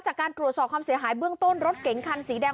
จากการตรวจสอบความเสียหายเบื้องต้นรถเก๋งคันสีแดง